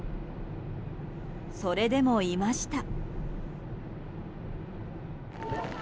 それでも、いました。